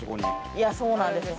いやそうなんですよ。